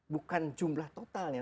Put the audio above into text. bukan jumlah totalnya